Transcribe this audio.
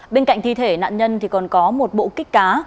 bên cạnh thi thể nạn nhân thì còn có một bộ kích cá